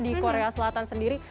di korea selatan sendiri